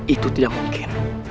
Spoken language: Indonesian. itu tidak mungkin